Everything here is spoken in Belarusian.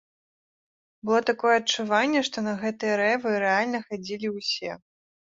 Было такое адчуванне, што на гэтыя рэйвы рэальна хадзілі ўсё.